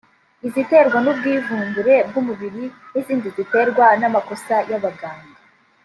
iziterwa n’ubwivumbure bw’umubiri n’izindi ziterwa n’amakosa y’abaganga